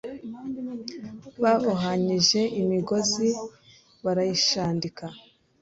babohanyije imigozi barayishandika